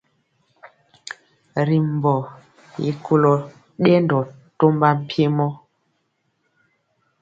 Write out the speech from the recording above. Ri mbɔ ye kolo dendɔ tɔmba mpiemɔ.